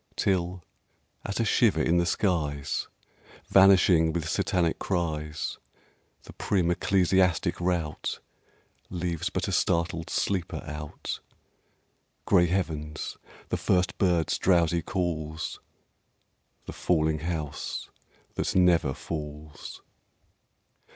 Till, at a shiver in the skies, Vanishing with Satanic cries, The prim ecclesiastic rout Leaves but a startled sleeper out, Grey heavens, the first bird's drowsy calls, The falling house that never falls.